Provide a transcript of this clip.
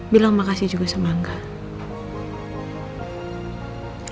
bilang makasih juga semangat